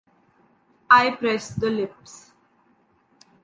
I press the lips.